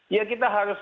ya kita harus